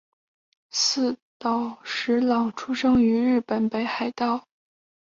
寺岛实郎出生于日本北海道雨龙郡沼田町。